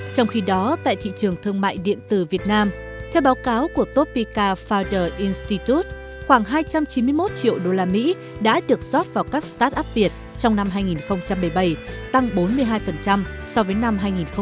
trong khi đó tại thị trường thương mại điện tử việt nam theo báo cáo của topeka founder instituth khoảng hai trăm chín mươi một triệu usd đã được rót vào các start up việt trong năm hai nghìn một mươi bảy tăng bốn mươi hai so với năm hai nghìn một mươi bảy